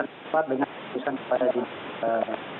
cepat dengan keputusan kepada diri